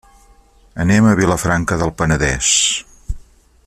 Anem a Vilafranca del Penedès.